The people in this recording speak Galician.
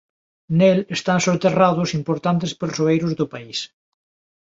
Nel están soterrados importantes persoeiros do país.